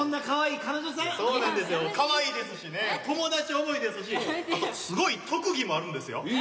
かわいいですし友達思いですしあとすごい特技もあるんですよ。